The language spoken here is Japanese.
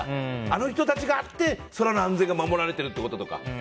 あの人たちがあって空の安全が守られていることとか。